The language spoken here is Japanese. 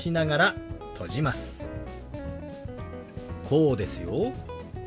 こうですよ。